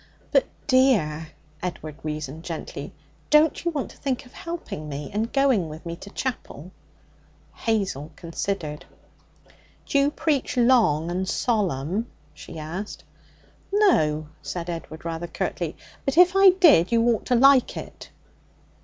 'But, dear,' Edward reasoned gently, 'don't you want to think of helping me, and going with me to chapel?' Hazel considered. 'D'you preach long and solemn?' she asked. 'No,' said Edward rather curtly. 'But if I did, you ought to like it.'